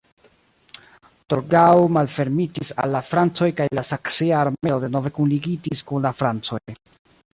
Torgau malfermitis al la francoj kaj la saksia armeo denove kunligitis kun la francoj.